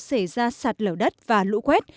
xảy ra sạt lở đất và lũ quét